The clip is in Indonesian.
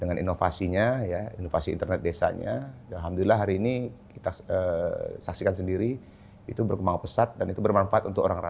dengan inovasinya ya inovasi internet desanya alhamdulillah hari ini kita saksikan sendiri itu berkembang pesat dan itu bermanfaat untuk orang rakyat